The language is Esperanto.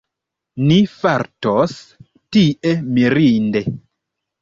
Ni fartos tie mirinde.